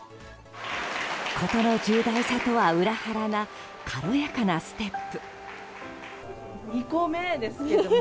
事の重大さとは裏腹な軽やかなステップ。